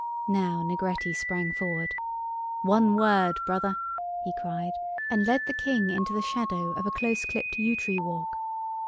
Now Negretti sprang forward. "One word, brother!" he cried, and led the King into the shadow of a close clipped yew tree walk.